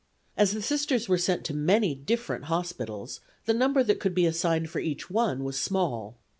As the Sisters were sent to many different hospitals the number that could be assigned for each one was small.